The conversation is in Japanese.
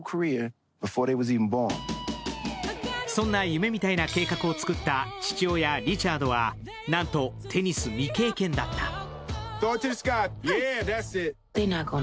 そんな夢みたいな計画を作った父親・リチャードはなんとテニス未経験だった。